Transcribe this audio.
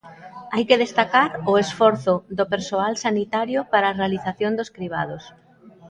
Hai que destacar o esforzo do persoal sanitario para a realización dos cribados.